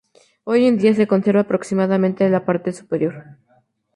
Hoy en día, se conserva aproximadamente de la parte superior.